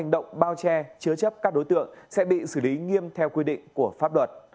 động bao che chứa chấp các đối tượng sẽ bị xử lý nghiêm theo quy định của pháp luật